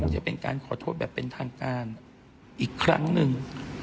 จะเป็นการขอโทษแบบเป็นทางการอีกครั้งหนึ่ง